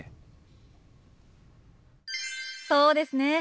そうですね。